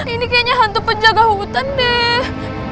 ini kayaknya hantu penjaga hutan deh